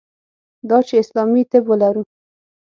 دا چې اسلامي طب ولرو.